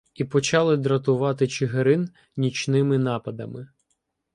І почали дратувати Чигирин нічними нападами.